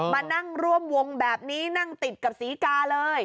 มานั่งร่วมวงแบบนี้นั่งติดกับศรีกาเลย